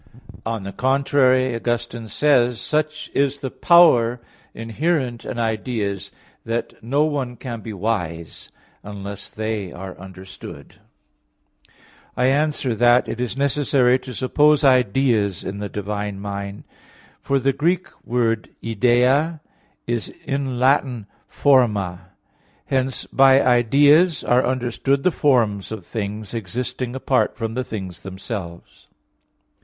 On the contrary, Augustine says (Octog. Tri. Quaest. qu. xlvi), "Such is the power inherent in ideas, that no one can be wise unless they are understood." I answer that, It is necessary to suppose ideas in the divine mind. For the Greek word Idea is in Latin Forma. Hence by ideas are understood the forms of things, existing apart from the things themselves.